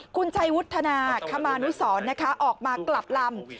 คุณชัยวุฒนาคมานุสรนะคะออกมากลับลำ